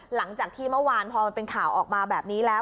หลังจากที่เมื่อวานพอมันเป็นข่าวออกมาแบบนี้แล้ว